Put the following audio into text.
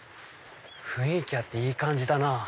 雰囲気あっていい感じだな。